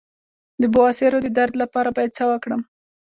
د بواسیر د درد لپاره باید څه وکړم؟